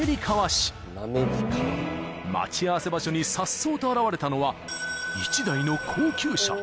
［待ち合わせ場所にさっそうと現れたのは１台の高級車］